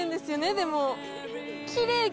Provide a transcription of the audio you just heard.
でも。